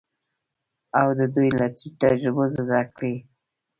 او د دوی له تجربو زده کړه کوي.